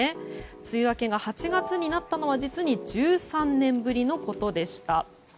梅雨明けが８月になったのは実に１３年ぶりのことでした。